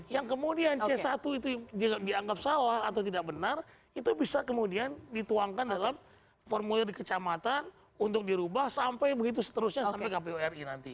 yang kemudian c satu itu dianggap salah atau tidak benar itu bisa kemudian dituangkan dalam formulir di kecamatan untuk dirubah sampai begitu seterusnya sampai kpu ri nanti